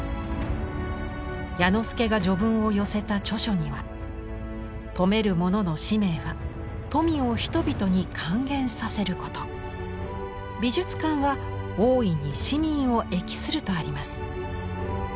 彌之助が序文を寄せた著書には「富める者の使命は富を人々に還元させること」「美術館は大いに市民を益する」とあります。